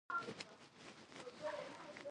خاوره د ټولو وروستۍ پناه ده.